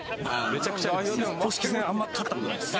めちゃくちゃあります。